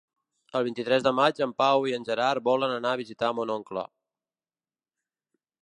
El vint-i-tres de maig en Pau i en Gerard volen anar a visitar mon oncle.